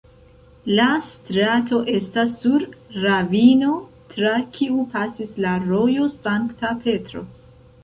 La strato estas sur ravino tra kiu pasis la rojo Sankta Petro.